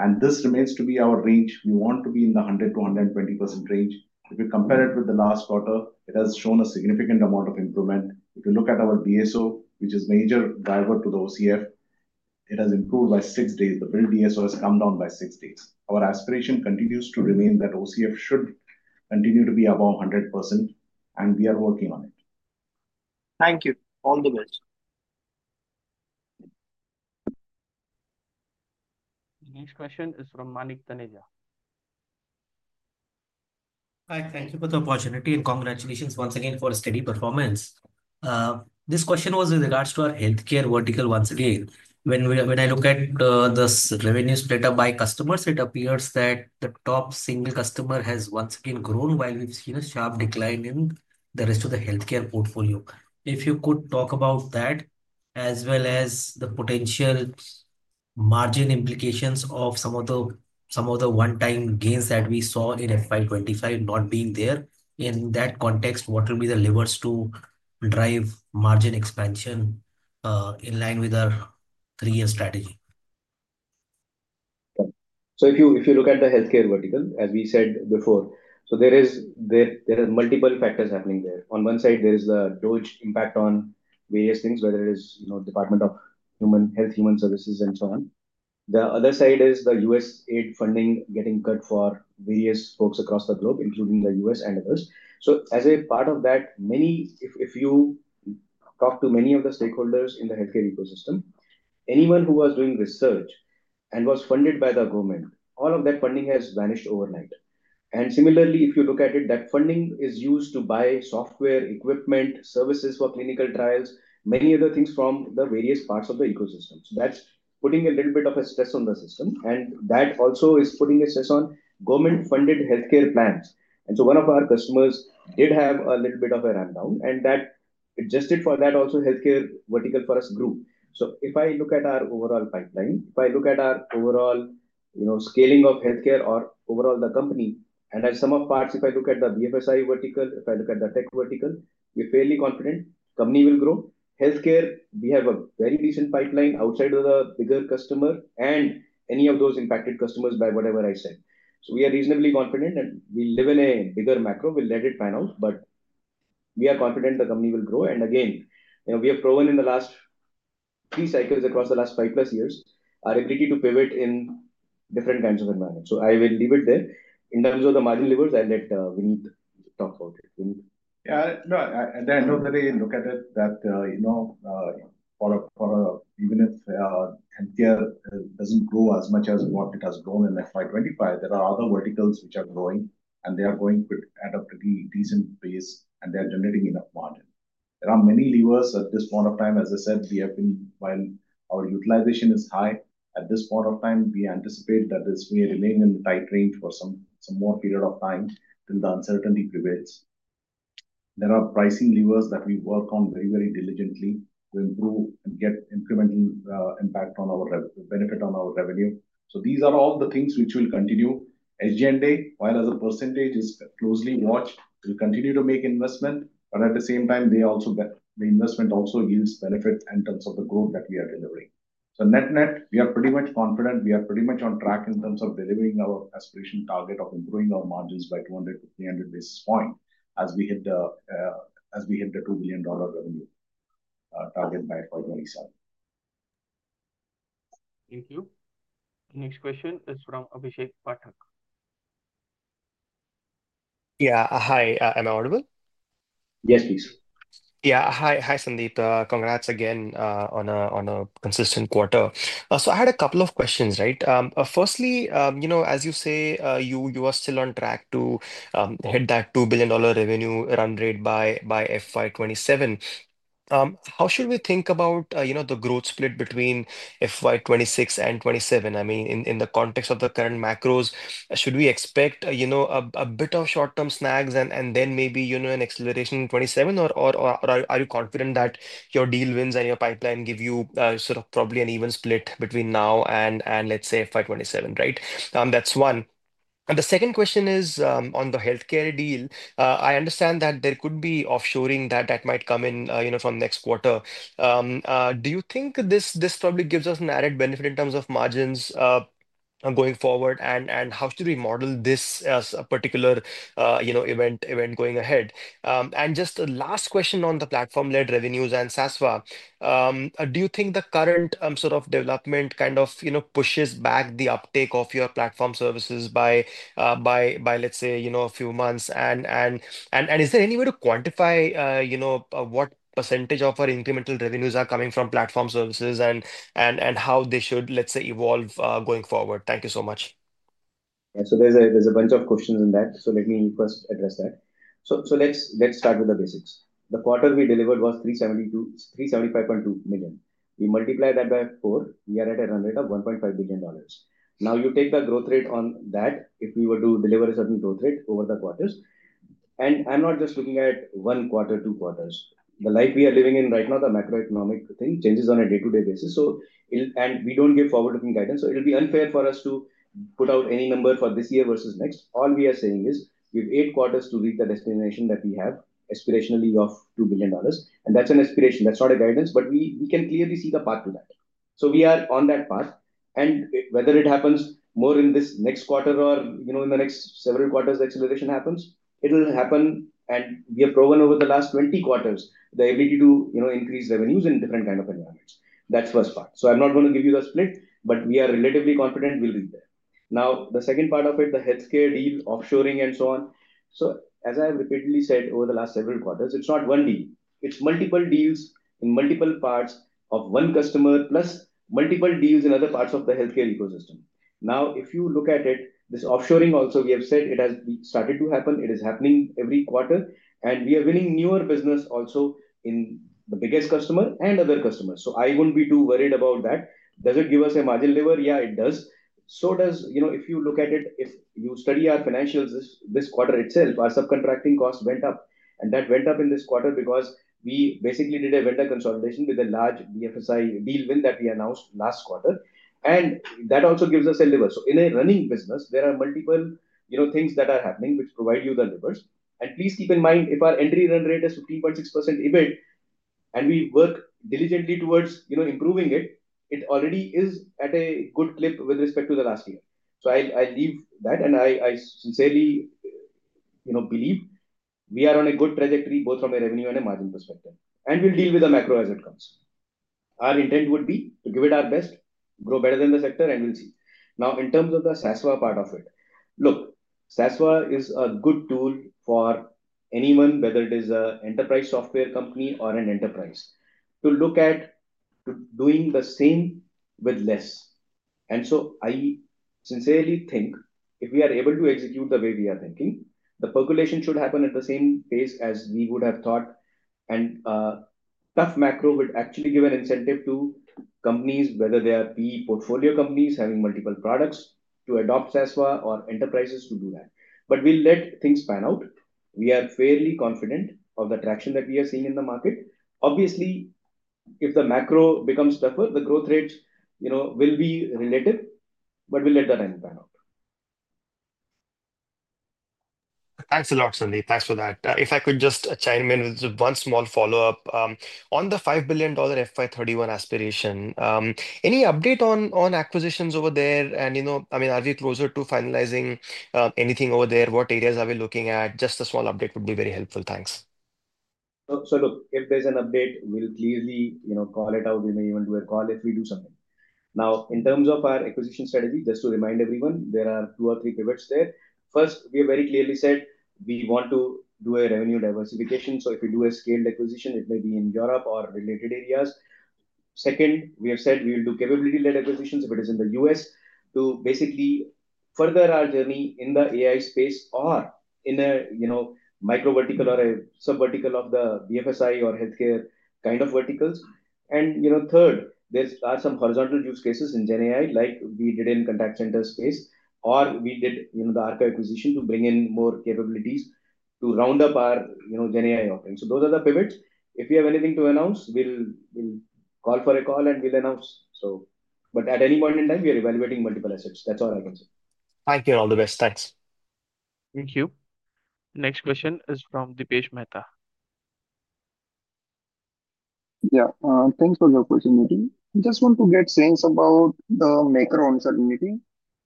[SPEAKER 5] And this remains to be our range. We want to be in the 100%-120% range. If you compare it with the last quarter, it has shown a significant amount of improvement. If you look at our DSO, which is a major driver to the OCF, it has improved by six days. The billed DSO has come down by six days. Our aspiration continues to remain that OCF should continue to be above 100%, and we are working on it.
[SPEAKER 7] Thank you. All the best.
[SPEAKER 1] Next question is from Manik Taneja.
[SPEAKER 8] Hi, thank you for the opportunity and congratulations once again for a steady performance. This question was with regards to our healthcare vertical once again. When I look at this revenue split up by customers, it appears that the top single customer has once again grown while we've seen a sharp decline in the rest of the healthcare portfolio. If you could talk about that as well as the potential margin implications of some of the one-time gains that we saw in FY 2025 not being there, in that context, what will be the levers to drive margin expansion in line with our three-year strategy?
[SPEAKER 4] If you look at the healthcare vertical, as we said before, there are multiple factors happening there. On one side, there is the DOGE impact on various things, whether it is the Department of Health and Human Services, and so on. The other side is the USAID funding getting cut for various folks across the globe, including the U.S. and others. As a part of that, if you talk to many of the stakeholders in the healthcare ecosystem, anyone who was doing research and was funded by the government, all of that funding has vanished overnight. Similarly, if you look at it, that funding is used to buy software, equipment, services for clinical trials, many other things from the various parts of the ecosystem. That is putting a little bit of a stress on the system. That also is putting a stress on government-funded healthcare plans. One of our customers did have a little bit of a rundown. Adjusted for that, also healthcare vertical for us grew. If I look at our overall pipeline, if I look at our overall scaling of healthcare or overall the company, and as sum of parts, if I look at the BFSI vertical, if I look at the tech vertical, we are fairly confident the company will grow. Healthcare, we have a very decent pipeline outside of the bigger customer and any of those impacted customers by whatever I said. We are reasonably confident that we live in a bigger macro. We'll let it pan out. We are confident the company will grow. Again, we have proven in the last three cycles across the last five plus years our ability to pivot in different kinds of environments. I will leave it there. In terms of the margin levers, I'll let Vinit talk about it.
[SPEAKER 5] Yeah. At the end of the day, look at it that even if healthcare doesn't grow as much as what it has grown in FY25, there are other verticals which are growing, and they are going at a pretty decent pace, and they are generating enough margin. There are many levers at this point of time. As I said, we have been, while our utilization is high at this point of time, we anticipate that this may remain in the tight range for some more period of time till the uncertainty prevails. There are pricing levers that we work on very, very diligently to improve and get incremental impact on our benefit on our revenue. These are all the things which will continue as day in day, while as a percentage is closely watched, we'll continue to make investment. At the same time, the investment also yields benefits in terms of the growth that we are delivering. Net net, we are pretty much confident. We are pretty much on track in terms of delivering our aspiration target of improving our margins by 200-300 basis points as we hit the $2 billion revenue target by FY2027.
[SPEAKER 1] Thank you. Next question is from Abhishek Pathak.
[SPEAKER 9] Yeah, hi. Am I audible?
[SPEAKER 4] Yes, please.
[SPEAKER 9] Yeah, hi, Sandeep. Congrats again on a consistent quarter. I had a couple of questions, right? Firstly, as you say, you are still on track to hit that $2 billion revenue run rate by FY2027. How should we think about the growth split between FY2026 and 2027? I mean, in the context of the current macros, should we expect a bit of short-term snags and then maybe an acceleration in 2027? Are you confident that your deal wins and your pipeline give you sort of probably an even split between now and, let's say, FY2027, right? That's one. The second question is on the healthcare deal. I understand that there could be offshoring that might come in from next quarter. Do you think this probably gives us an added benefit in terms of margins going forward? How should we model this as a particular event going ahead? Just the last question on the platform-led revenues and Sasva, do you think the current sort of development kind of pushes back the uptake of your platform services by, let's say, a few months? Is there any way to quantify what percentage of our incremental revenues are coming from platform services and how they should, let's say, evolve going forward? Thank you so much.
[SPEAKER 4] There is a bunch of questions in that. Let me first address that. Let's start with the basics. The quarter we delivered was $375.2 million. We multiplied that by four. We are at a run rate of $1.5 billion. Now, you take the growth rate on that if we were to deliver a certain growth rate over the quarters. I'm not just looking at one quarter, two quarters. The life we are living in right now, the macroeconomic thing changes on a day-to-day basis. We don't give forward-looking guidance. It'll be unfair for us to put out any number for this year versus next. All we are saying is we have eight quarters to reach the destination that we have aspirationally of $2 billion. That's an aspiration. That's not a guidance, but we can clearly see the path to that. We are on that path. Whether it happens more in this next quarter or in the next several quarters the acceleration happens, it will happen. We have proven over the last 20 quarters the ability to increase revenues in different kinds of environments. That is the first part. I am not going to give you the split, but we are relatively confident we will be there. Now, the second part of it, the healthcare deal, offshoring, and so on. As I have repeatedly said over the last several quarters, it is not one deal. It is multiple deals in multiple parts of one customer plus multiple deals in other parts of the healthcare ecosystem. If you look at it, this offshoring also, we have said it has started to happen. It is happening every quarter. We are winning newer business also in the biggest customer and other customers. I would not be too worried about that. Does it give us a margin lever? Yeah, it does. If you look at it, if you study our financials this quarter itself, our subcontracting cost went up. That went up in this quarter because we basically did a vendor consolidation with a large BFSI deal win that we announced last quarter. That also gives us a lever. In a running business, there are multiple things that are happening which provide you the levers. Please keep in mind, if our entry run rate is 15.6% EBIT, and we work diligently towards improving it, it already is at a good clip with respect to the last year. I will leave that. I sincerely believe we are on a good trajectory both from a revenue and a margin perspective. We will deal with the macro as it comes. Our intent would be to give it our best, grow better than the sector, and we will see. Now, in terms of the Sasva part of it, look, Sasva is a good tool for anyone, whether it is an enterprise software company or an enterprise, to look at doing the same with less. I sincerely think if we are able to execute the way we are thinking, the percolation should happen at the same pace as we would have thought and tough macro would actually give an incentive to companies, whether they are PE portfolio companies having multiple products, to adopt Sasva or enterprises to do that. We will let things pan out. We are fairly confident of the traction that we are seeing in the market. Obviously, if the macro becomes tougher, the growth rates will be relative, but we'll let the time pan out.
[SPEAKER 9] Thanks a lot, Sandeep. Thanks for that. If I could just chime in with one small follow-up. On the $5 billion FY2031 aspiration, any update on acquisitions over there? I mean, are we closer to finalizing anything over there? What areas are we looking at? Just a small update would be very helpful.
[SPEAKER 4] Thanks. Look, if there's an update, we'll clearly call it out. We may even do a call if we do something. In terms of our acquisition strategy, just to remind everyone, there are two or three pivots there. First, we have very clearly said we want to do a revenue diversification. If we do a scaled acquisition, it may be in Europe or related areas. Second, we have said we will do capability-led acquisitions if it is in the US to basically further our journey in the AI space or in a micro vertical or a sub-vertical of the BFSI or healthcare kind of verticals. Third, there are some horizontal use cases in GenAI like we did in contact center space or we did the Arrka acquisition to bring in more capabilities to round up our GenAI offering. Those are the pivots. If we have anything to announce, we'll call for a call and we'll announce. At any point in time, we are evaluating multiple assets. That's all I can say.
[SPEAKER 10] Thank you. All the best. Thanks.
[SPEAKER 2] .Thank you. Next question is from Dipesh Mehta.
[SPEAKER 11] Yeah, thanks for the opportunity. I just want to get sense about the macro uncertainty.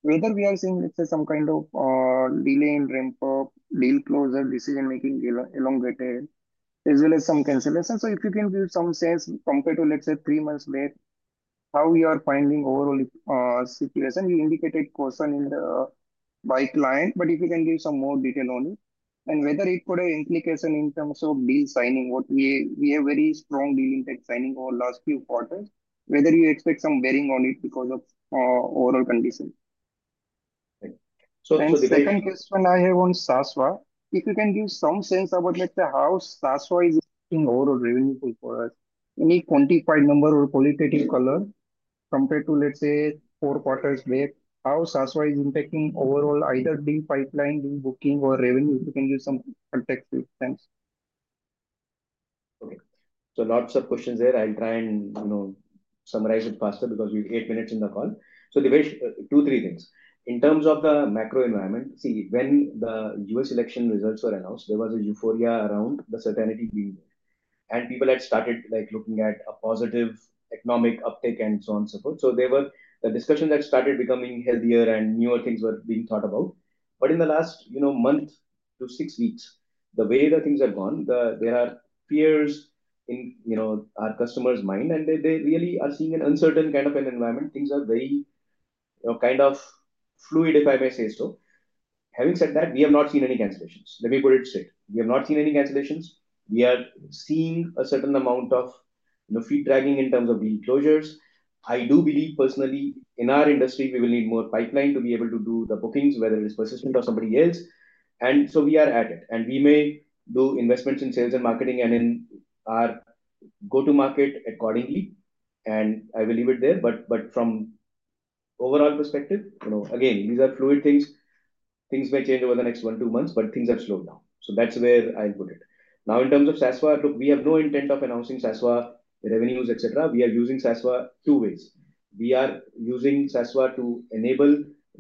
[SPEAKER 11] Whether we are seeing, let's say, some kind of delay in ramp-up, deal closure, decision-making elongated, as well as some cancellation. If you can give some sense compared to, let's say, three months late, how you are finding overall situation. You indicated caution by client, but if you can give some more detail on it and whether it could have implications in terms of deal signing, what we have very strong deal intake signing over the last few quarters, whether you expect some bearing on it because of overall conditions. The second question I have on Sasva, if you can give some sense about, let's say, how Sasva is impacting overall revenue for us, any quantified number or qualitative color compared to, let's say, four quarters back, how Sasva is impacting overall either deal pipeline, deal booking, or revenue, if you can give some contextual things.
[SPEAKER 4] Lots of questions there. I'll try and summarize it faster because we have eight minutes in the call. Dipesh, two, three things. In terms of the macro environment, see, when the US election results were announced, there was a euphoria around the certainty being there. People had started looking at a positive economic uptake and so on and so forth. The discussion had started becoming healthier and newer things were being thought about. In the last month to six weeks, the way things have gone, there are fears in our customers' minds, and they really are seeing an uncertain kind of an environment. Things are very kind of fluid, if I may say so. Having said that, we have not seen any cancellations. Let me put it straight. We have not seen any cancellations. We are seeing a certain amount of feet dragging in terms of deal closures. I do believe personally, in our industry, we will need more pipeline to be able to do the bookings, whether it's Persistent or somebody else. We are at it. We may do investments in sales and marketing and in our go-to-market accordingly. I will leave it there. From overall perspective, again, these are fluid things. Things may change over the next one or two months, but things have slowed down. That's where I'll put it. Now, in terms of Sasva, look, we have no intent of announcing Sasva the revenues, etc. We are using Sasva two ways. We are using Sasva to enable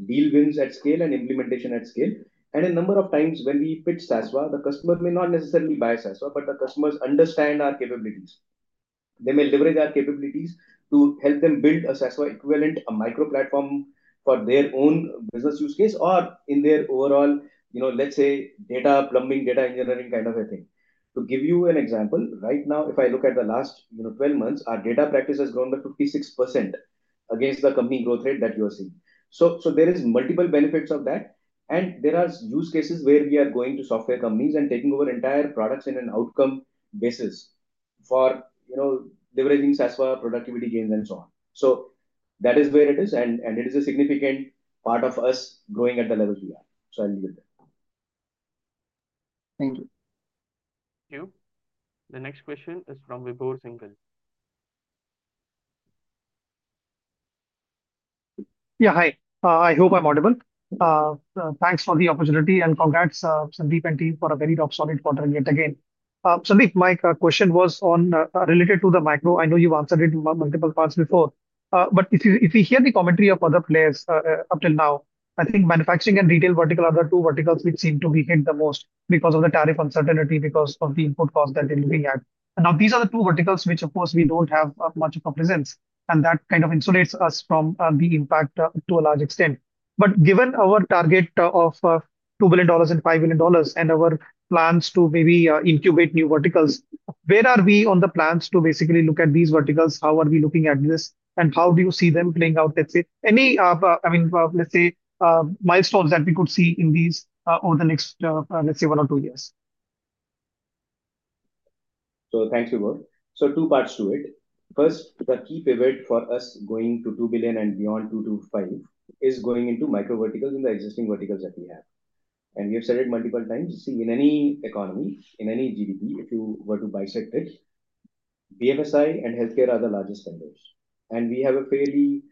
[SPEAKER 4] deal wins at scale and implementation at scale. A number of times when we pitch Sasva, the customer may not necessarily buy Sasva, but the customers understand our capabilities. They may leverage our capabilities to help them build a Sasva equivalent, a micro platform for their own business use case or in their overall, let's say, data plumbing, data engineering kind of a thing. To give you an example, right now, if I look at the last 12 months, our data practice has grown to 56% against the company growth rate that you are seeing. There are multiple benefits of that. There are use cases where we are going to software companies and taking over entire products on an outcome basis for leveraging Sasva, productivity gains, and so on. That is where it is. It is a significant part of us growing at the levels we are. I'll leave it there.
[SPEAKER 11] Thank you.
[SPEAKER 1] Thank you. The next question is from Vibhor Singhal.
[SPEAKER 12] Yeah, hi. I hope I'm audible. Thanks for the opportunity and congrats, Sandeep and team, for a very tough, solid quarter yet again. Sandeep, my question was related to the macro. I know you've answered it in multiple parts before. If we hear the commentary of other players up till now, I think manufacturing and retail vertical are the two verticals which seem to be hit the most because of the tariff uncertainty, because of the input cost that they're looking at. These are the two verticals which, of course, we don't have much of a presence. That kind of insulates us from the impact to a large extent. Given our target of $2 billion and $5 billion and our plans to maybe incubate new verticals, where are we on the plans to basically look at these verticals? How are we looking at this? How do you see them playing out? Let's say any, I mean, let's say milestones that we could see in these over the next, let's say, one or two years.
[SPEAKER 4] Thanks, Vibhor. Two parts to it. First, the key pivot for us going to $2 billion and beyond $2 to $5 is going into micro verticals in the existing verticals that we have. We have said it multiple times. See, in any economy, in any GDP, if you were to bisect it, BFSI and healthcare are the largest vendors. We have a fairly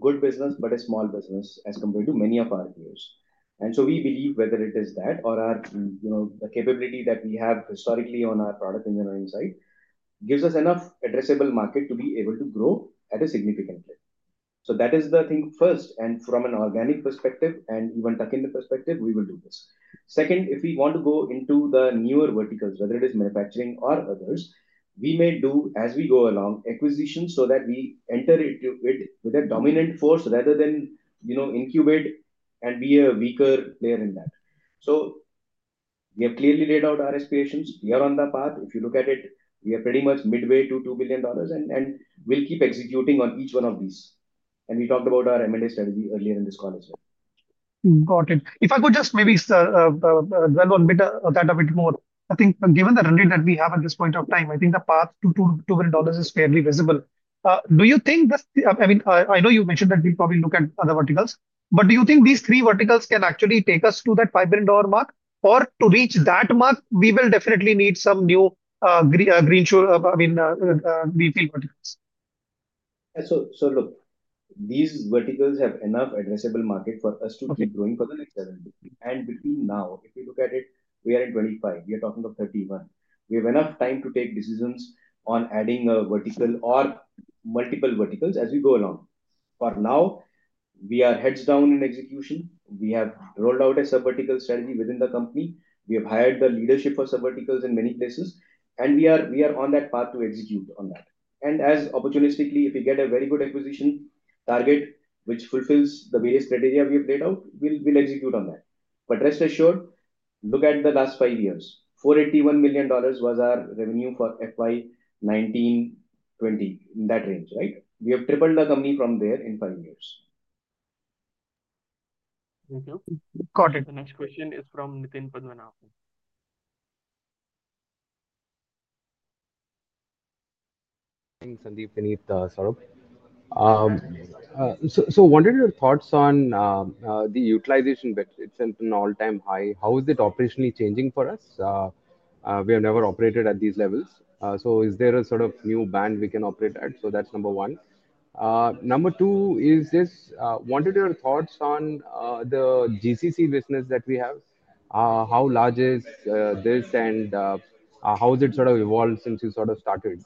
[SPEAKER 4] good business, but a small business as compared to many of our peers. We believe whether it is that or the capability that we have historically on our product engineering side gives us enough addressable market to be able to grow at a significant rate. That is the thing first. From an organic perspective and even tuck-in perspective, we will do this. Second, if we want to go into the newer verticals, whether it is manufacturing or others, we may do, as we go along, acquisitions so that we enter it with a dominant force rather than incubate and be a weaker player in that. We have clearly laid out our aspirations. We are on the path. If you look at it, we are pretty much midway to $2 billion. We'll keep executing on each one of these. We talked about our M&A strategy earlier in this call as well. Important.
[SPEAKER 12] If I could just maybe dwell on that a bit more. I think given the run rate that we have at this point of time, I think the path to $2 billion is fairly visible. Do you think, I mean, I know you mentioned that we'll probably look at other verticals, but do you think these three verticals can actually take us to that $5 billion mark? To reach that mark, we will definitely need some new greenfield verticals.
[SPEAKER 4] Look, these verticals have enough addressable market for us to keep growing for the next seven. Between now, if you look at it, we are in 2025. We are talking of 2031. We have enough time to take decisions on adding a vertical or multiple verticals as we go along. For now, we are heads down in execution. We have rolled out a sub-vertical strategy within the company. We have hired the leadership for sub-verticals in many places. We are on that path to execute on that. As opportunistically, if we get a very good acquisition target which fulfills the various criteria we have laid out, we will execute on that. Rest assured, look at the last five years. $481 million was our revenue for FY2019-2020, in that range, right? We have tripled the company from there in five years.
[SPEAKER 12] Thank you. Got it.
[SPEAKER 1] The next question is from Nitin Padmanabhan.
[SPEAKER 13] Thanks, Sandeep. So, what are your thoughts on the utilization rate? It is at an all-time high. How is it operationally changing for us? We have never operated at these levels. Is there a sort of new band we can operate at? That is number one. Number two is this. What are your thoughts on the GCC business that we have? How large is this? And how has it sort of evolved since you sort of started?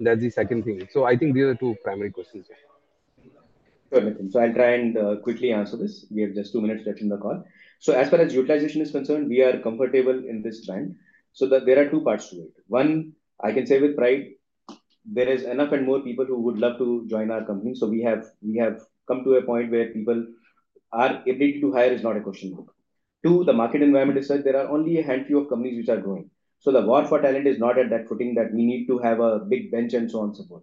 [SPEAKER 13] That's the second thing. I think these are two primary questions here.
[SPEAKER 4] I'll try and quickly answer this. We have just two minutes left in the call. As far as utilization is concerned, we are comfortable in this trend. There are two parts to it. One, I can say with pride, there are enough and more people who would love to join our company. We have come to a point where people are able to hire is not a question mark. Two, the market environment is such there are only a handful of companies which are growing. The war for talent is not at that footing that we need to have a big bench and so on and so forth.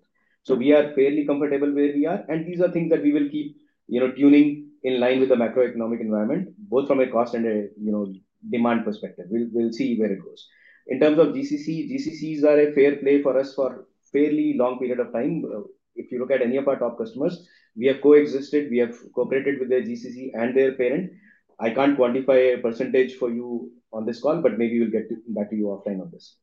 [SPEAKER 4] We are fairly comfortable where we are. These are things that we will keep tuning in line with the macroeconomic environment, both from a cost and a demand perspective. We'll see where it goes. In terms of GCC, GCCs are a fair play for us for a fairly long period of time. If you look at any of our top customers, we have co-existed. We have cooperated with their GCC and their parent. I can't quantify a percentage for you on this call, but maybe we'll get back to you offline on this.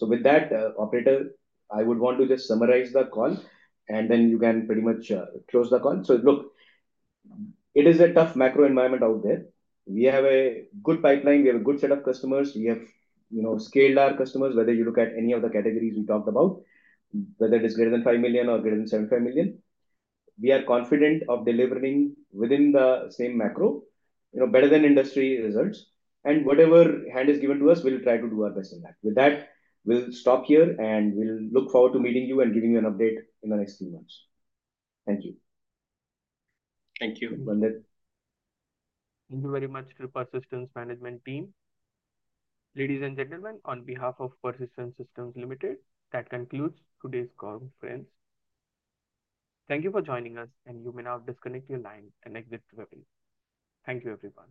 [SPEAKER 4] With that, operator, I would want to just summarize the call, and then you can pretty much close the call. It is a tough macro environment out there. We have a good pipeline. We have a good set of customers. We have scaled our customers, whether you look at any of the categories we talked about, whether it is greater than $5 million or greater than $75 million. We are confident of delivering within the same macro, better than industry results. Whatever hand is given to us, we'll try to do our best in that. With that, we'll stop here, and we'll look forward to meeting you and giving you an update in the next few months. Thank you.
[SPEAKER 1] Thank you very much to Persistent Systems Management Team. Ladies and gentlemen, on behalf of Persistent Systems, that concludes today's conference. Thank you for joining us, and you may now disconnect your line and exit the webinar. Thank you, everyone.